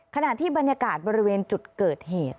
ขณะที่บรรยากาศบริเวณจุดเกิดเหตุ